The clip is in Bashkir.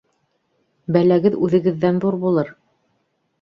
Бәләгеҙ үҙегеҙҙән ҙур булыр.